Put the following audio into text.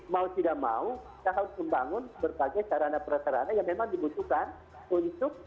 mau tidak mau kita harus membangun berbagai sarana perasarana yang memang dibutuhkan untuk